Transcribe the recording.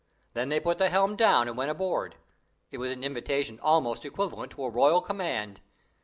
Then they put the helm down and went aboard; it was an invitation almost equivalent to a royal command.